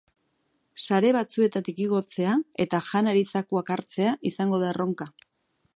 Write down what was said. Sare batzuetatik igotzea eta janari zakuak hartzea izango da erronka.